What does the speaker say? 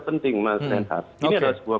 penting mas reinhardt ini adalah sebuah